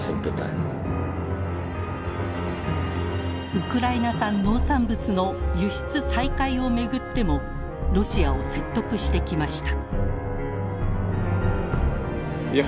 ウクライナ産農産物の輸出再開を巡ってもロシアを説得してきました。